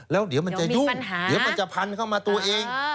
แล้วเดี๋ยวมันจะยุ่งเดี๋ยวมันจะพันเข้ามาตัวเอง